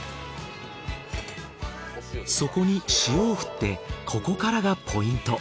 そこに塩を振ってここからがポイント。